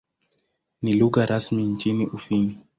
Ni lugha rasmi nchini Ufini.